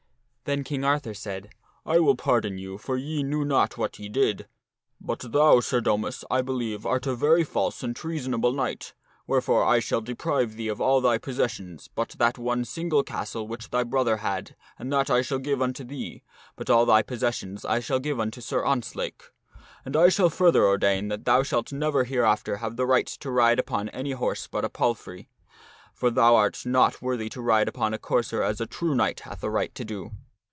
Then King Arthur said, " I will pardon you, for ye knew not what ye did. But thou, Sir Domas, I believe, art a very false and treasonable knight, wherefore I shall deprive thee of all thy possessions but that one single castle which thy brother had and that I shall give unto thee, but all thy possessions I shall give unto Sir Ontzlake. And I shall further ordain that thou shalt never hereafter have the right to ride upon dearth with Sir an j horse but a palfrey, for thou art not worthy to ride upon a courser as a true knight hath a right to do.